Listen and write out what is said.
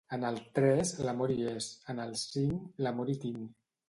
En el tres, l'amor hi és; en el cinc, l'amor hi tinc.